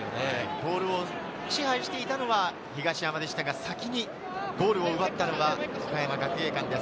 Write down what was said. ボールを支配していたの東山でしたが、先にゴールを奪ったのは岡山学芸館です。